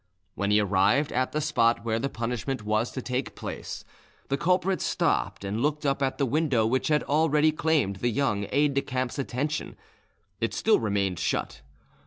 When he arrived at the spot where the punishment was to take place, the culprit stopped and looked up at the window which had already claimed the young aide de camp's attention; it still remained shut.